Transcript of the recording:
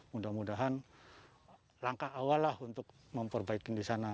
mudah mudahan langkah awal lah untuk memperbaiki di sana